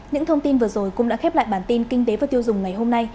những thông tin vừa rồi cũng đã khép lại bản tin kinh tế và tiêu dùng ngày hôm nay